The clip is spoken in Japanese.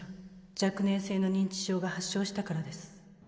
若年性の認知症が発症したからです